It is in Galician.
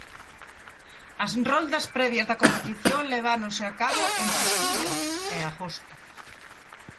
As roldas previas da competición leváronse a cabo entre xullo e agosto.